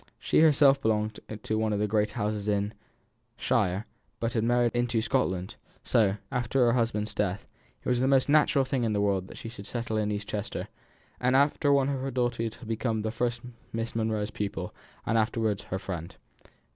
She herself belonged to one of the great houses in shire, but had married into Scotland; so, after her husband's death, it was the most natural thing in the world that she should settle in East Chester; and one after another of her daughters had become first Miss Monro's pupil and afterwards her friend.